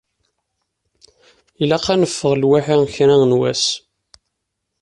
Ilaq ad neffeɣ lwaḥi kra n wass.